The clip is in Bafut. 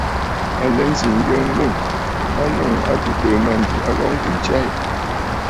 À lɛ nzi nyə ŋû a nɔŋə̀ a tɨtɨ̀ɨ̀ mânjì, ŋ̀ghɔŋtə ntsya yi.